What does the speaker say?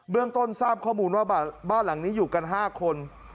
เรื่องต้นทราบข้อมูลว่าบ้านหลังนี้อยู่กัน๕คน